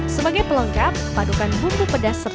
sebagai pelengkap padukan bumbu pedas serta